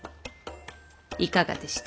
いかがでした？